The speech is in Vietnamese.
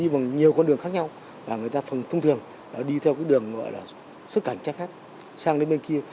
và người ta thông thường đi theo cái đường gọi là xuất cảnh chắc khác sang đến bên kia